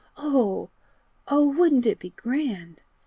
Oh! oh! wouldn't it be grand?